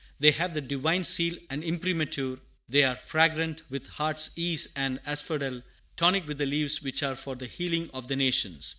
They have the Divine seal and imprimatur; they are fragrant with heart's ease and asphodel; tonic with the leaves which are for the healing of the nations.